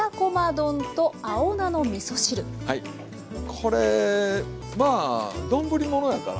これまあ丼物やからね簡単。